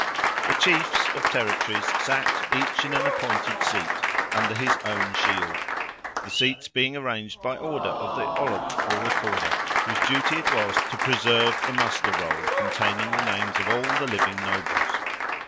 The Chiefs of territories sat, each in an appointed seat, under his own shield; the seats being arranged by order of the Ollamh, or Recorder, whose duty it was to preserve the muster roll, containing the names of all the living nobles.